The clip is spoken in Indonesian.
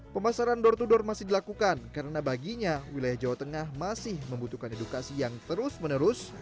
pemasaran door to door masih dilakukan karena baginya wilayah jawa tengah masih membutuhkan edukasi yang terus menerus